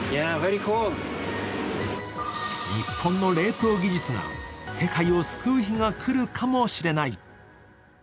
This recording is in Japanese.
日本の冷凍技術が世界を救う日が来るかもしれない。